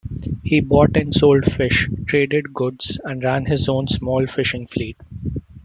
He bought and sold fish, traded goods and ran his own small fishing fleet.